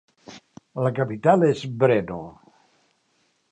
La capital és Brno.